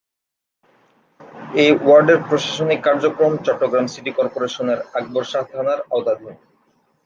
এ ওয়ার্ডের প্রশাসনিক কার্যক্রম চট্টগ্রাম সিটি কর্পোরেশনের আকবর শাহ থানার আওতাধীন।